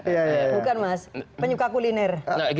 bukan mas penyuka kuliner